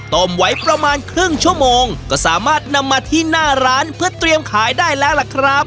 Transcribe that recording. ต้มไว้ประมาณครึ่งชั่วโมงก็สามารถนำมาที่หน้าร้านเพื่อเตรียมขายได้แล้วล่ะครับ